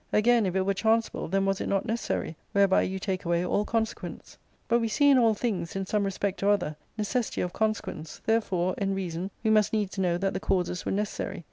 Again, if it were chanceable, then was it not necessary ; whereby you take away all consequents. But we see in all things, in some respect or other, necessity of consequence ; therefore, in reason, we must needs know that the causes were necessary.